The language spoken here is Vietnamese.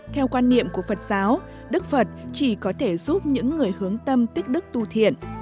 theo quan niệm của phật giáo đức phật chỉ có thể giúp những người hướng tâm tích đức tù thiện